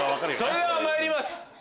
それではまいります！